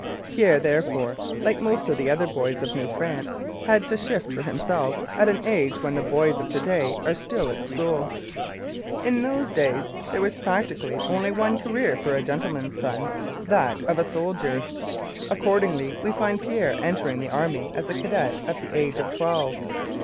Pierre, therefore, like most of the other boys of New France, had to shift for himself at an age when the boys of to day are still at school. In those days there was practically only one career for a gentleman's son that of a soldier. Accordingly we find Pierre entering the army as a cadet at the age of twelve.